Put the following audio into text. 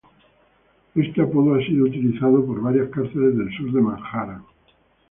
Este apodo ha sido utilizado por varias cárceles del sur de Manhattan.